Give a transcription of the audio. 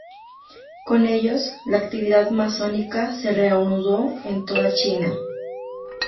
Con ellos, la actividad masónica se reanudó en toda China.